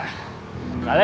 kalian akan mendapatkan